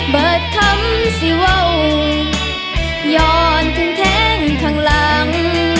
เบิดคำสิเว้ายอดทึ่งแทงข้างหลัง